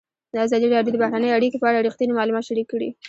ازادي راډیو د بهرنۍ اړیکې په اړه رښتیني معلومات شریک کړي.